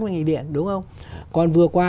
với nghị điện đúng không còn vừa qua